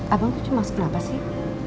abang tuh cemas kenapa sih